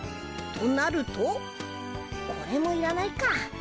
となるとこれもいらないか。